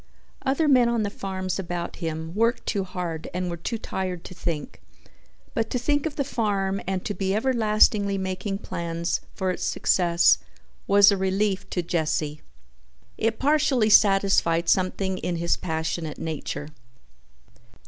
Other men on the farms about him worked too hard and were too fired to think, but to think of the farm and to be everlastingly making plans for its success was a relief to Jesse. It partially satisfied something in his passionate nature.